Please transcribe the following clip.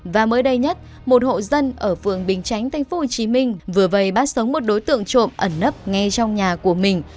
và mới đây nhất một hộ dân ở phường bình chánh tp hcm vừa vây bắt sống một đối tượng trộm ẩn nấp ngay trong nhà của mình